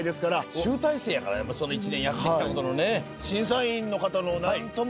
集大成やから１年やってきたことのね。